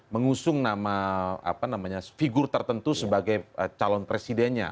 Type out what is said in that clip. mengusung nama figur tertentu sebagai calon presidennya